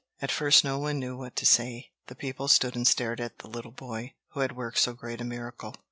At first no one knew what to say. The people stood and stared at the little boy who had worked so great a miracle.